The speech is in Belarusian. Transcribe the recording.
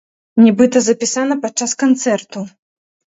Нібыта запісана падчас канцэрту!